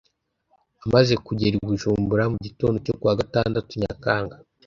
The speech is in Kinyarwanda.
Amaze kugera i Bujumbura, mu gitondo cyo kuwa Gatandatu Nyakanga